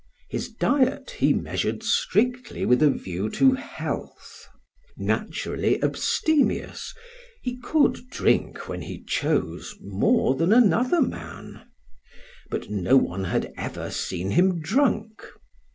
His diet he measured strictly with a view to health. Naturally abstemious, he could drink, when he chose, more than another man; but no one had ever seen him drunk.